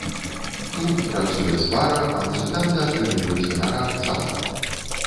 Клуб працуе з бара, а музыканты атрымліваюць ганарар цалкам.